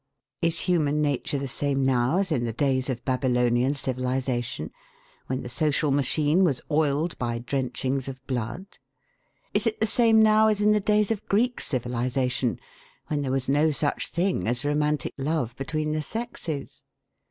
Is human nature the same now as in the days of Babylonian civilisation, when the social machine was oiled by drenchings of blood? Is it the same now as in the days of Greek civilisation, when there was no such thing as romantic love between the sexes?